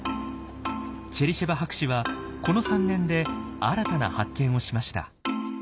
チェリシェバ博士はこの３年で新たな発見をしました。